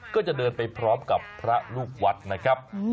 ก็จะเดินไปพร้อมกับพระลูกวัดนะครับ